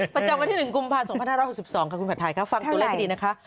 ประจำวันที่๑กุมภา๒๕๖๒ค่ะคุณผัดไทยค่ะฟังตัวเลขให้ดีนะคะ